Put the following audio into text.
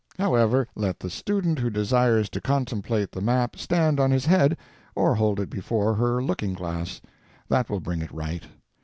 However, let the student who desires to contemplate the map stand on his head or hold it before her looking glass. That will bring it right.